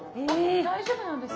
大丈夫なんですね？